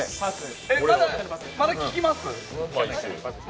まだ効きます？